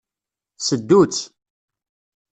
Seddu-tt.